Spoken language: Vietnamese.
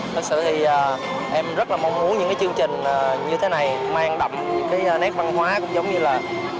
thật sự thì em rất là mong muốn những cái chương trình như thế này mang đậm cái nét văn hóa cũng giống như là